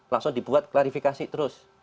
langsung dibuat klarifikasi terus